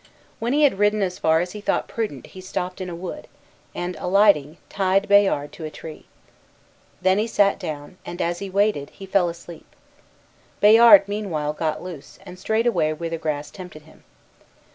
When he had ridden as far as he thought prudent he stopped in a wood, and alighting, tied Bayard to a tree. Then he sat down, and, as he waited, he fell asleep. Bayard meanwhile got loose, and strayed away where the grass tempted him.